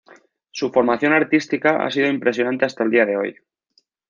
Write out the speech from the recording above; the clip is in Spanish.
Su formación artística ha sido impresionante hasta el día de hoy.